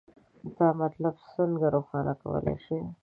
دا مطلب څنګه روښانه کولی شئ؟